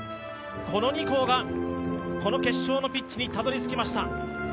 この２校がこの決勝のピッチにたどり着きました。